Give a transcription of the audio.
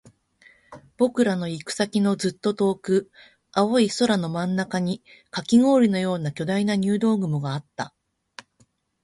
僕らの行く先のずっと遠く、青い空の真ん中にカキ氷のような巨大な入道雲があった